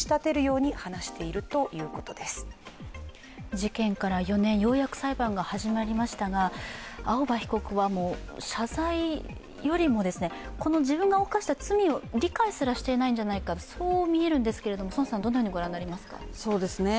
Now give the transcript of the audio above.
事件から４年、ようやく裁判が始まりましたが青葉被告は謝罪よりも、自分が犯した罪を理解すらしていないんじゃないか、そう見えるんですが、宋さん、どう思われますか？